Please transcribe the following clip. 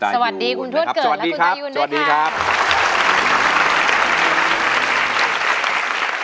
สวัสดีคุณทวดเกิดแล้วคุณตายูนด้วยค่ะสวัสดีครับสวัสดีครับ